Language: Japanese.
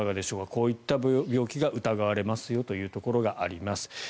こういった病気が疑われますよというところがあります。